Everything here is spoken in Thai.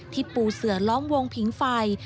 ปูเสือล้อมวงผิงไฟ